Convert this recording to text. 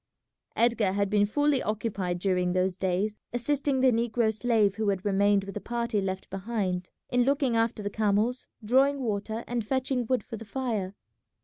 Edgar had been fully occupied during those days assisting the negro slave who had remained with the party left behind in looking after the camels, drawing water, and fetching wood for the fire.